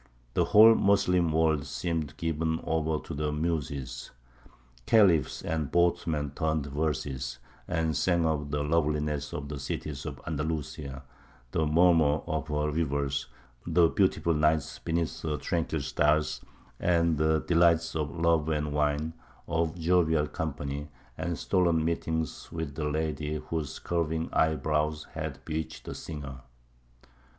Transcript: The whole Moslem world seemed given over to the Muses; Khalifs and boatmen turned verses, and sang of the loveliness of the cities of Andalusia, the murmur of her rivers, the beautiful nights beneath her tranquil stars, and the delights of love and wine, of jovial company and stolen meetings with the lady whose curving eyebrows had bewitched the singer.